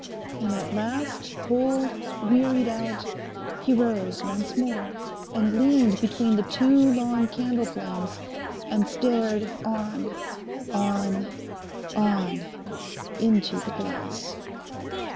And at last, cold, wearied out, he rose once more and leaned between the two long candle flames, and stared on—on—on, into the glass.